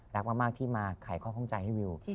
รักมากที่มาไขข้อข้องใจให้วิว